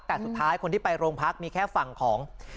แต่สุดท้ายคนที่ไปโรงพักมีแค่ฝั่งของ